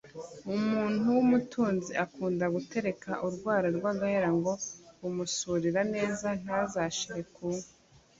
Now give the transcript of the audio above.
Umuntu w’umutunzi akunda gutereka urwara rw’agahera ngo rumusurira neza ntazashire ku nka